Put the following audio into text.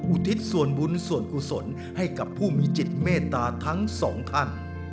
อุทิศส่วนบุญส่วนกุศลให้กับผู้มีจิตเมตตาทั้งสองท่าน